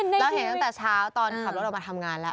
เราเห็นตั้งแต่เช้าตอนขับรถออกมาทำงานแล้ว